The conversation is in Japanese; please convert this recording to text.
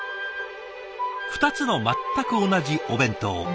２つの全く同じお弁当。